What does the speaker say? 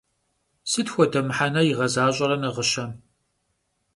Sıt xuede mıhene yiğezaş'ere nağışem?